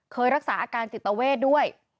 เคยรักษาอาการจิตเวทด้วย